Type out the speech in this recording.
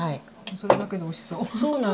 それだけでおいしそう。